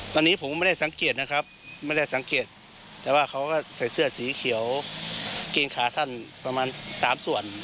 ตอนนี้ผมไม่ได้สังเกตนะครับไม่ได้สังเกตแต่ว่าเขาก็ใส่เสื้อสีเขียวเกงขาสั้นประมาณ๓ส่วน